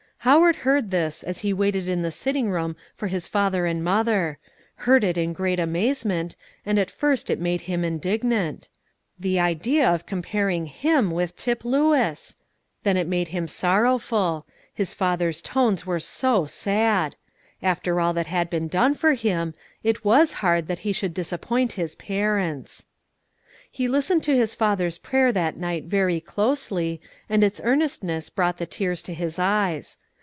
Howard heard this, as he waited in the sitting room for his father and mother; heard it in great amazement, and at first it made him indignant. The idea of comparing him with Tip Lewis! Then it made him sorrowful: his father's tones were so sad; after all that had been done for him, it was hard that he should disappoint his parents. He listened to his father's prayer that night very closely, and its earnestness brought the tears to his eyes.